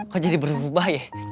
kok jadi berubah ya